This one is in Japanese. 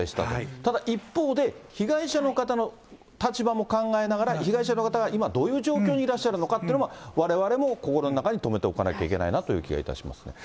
ただ一方で、被害者の方の立場も考えながら、被害者の方が今、どういう状況にいらっしゃるのかということも、われわれも心の中に留めておかなきゃいけないなという気がいたします。